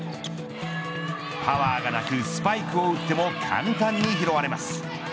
パワーがなくスパイクを打っても簡単に拾われます。